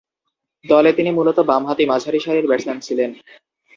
দলে তিনি মূলতঃ বামহাতি মাঝারিসারির ব্যাটসম্যান ছিলেন।